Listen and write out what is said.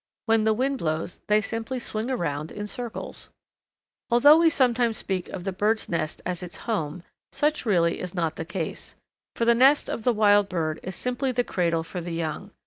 When the wind blows they simply swing around in circles. Although we sometimes speak of the bird's nest as its home, such really is not the case, for the nest of the wild bird is simply the cradle for the young.